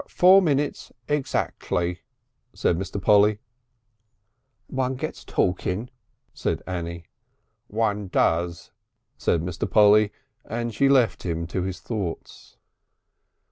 "Four minutes exactly," said Mr. Polly. "One gets talking," said Annie. "One does," said Mr. Polly, and she left him to his thoughts.